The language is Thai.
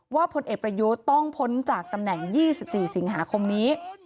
พลเอกประยุทธ์ต้องพ้นจากตำแหน่ง๒๔สิงหาคมนี้